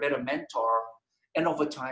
mereka menemukan guru yang lebih baik